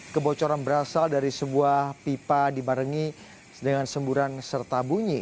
kebocoran berasal dari sebuah pipa dibarengi dengan semburan serta bunyi